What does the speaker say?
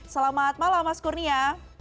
selamat malam mas kurnia